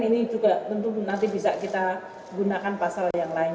ini juga tentu nanti bisa kita gunakan pasal yang lain